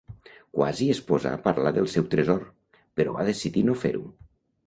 Quasi es posà a parlar del seu tresor, però va decidir no fer-ho.